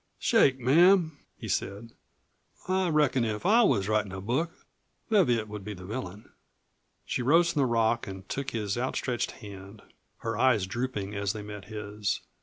"Shake, ma'am," he said. "I reckon if I was writin' a book Leviatt would be the villain." She rose from the rock and took his outstretched hand, her eyes drooping as they met his.